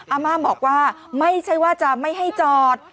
อาม่าบอกว่าไม่ใช่ว่าจะไม่ให้จอด